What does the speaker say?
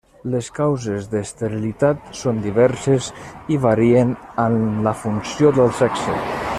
Les causes d'esterilitat són diverses i varien amb la funció del sexe.